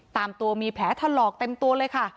ตามตัวมีแผลถลอกเต็มตัวเลยค่ะ